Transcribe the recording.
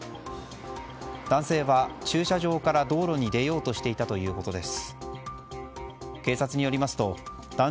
男性は駐車場から道路に出ようとしていたということです。